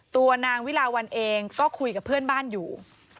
ตัวนางวิลาวันเองก็คุยกับเพื่อนบ้านอยู่